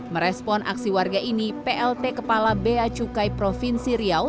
merespon aksi warga ini plt kepala bea cukai provinsi riau